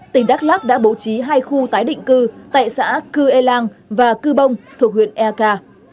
tỉnh đắk lắc đã bố trí hai khu tái định cư tại xã cư e lang và cư bông thuộc huyện eka